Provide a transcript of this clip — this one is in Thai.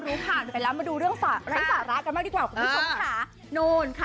ไปแล้วมีความรู้ขาลมาดูเรื่องไร้สาระกันกันดีกว่าของผู้ชมค่ะ